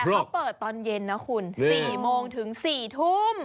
เขาเปิดตอนเย็นนะคุณ๔โมงถึง๔ทุ่ม